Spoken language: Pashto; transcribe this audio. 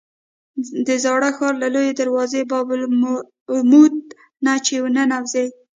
د زاړه ښار له لویې دروازې باب العمود نه چې ننوځې.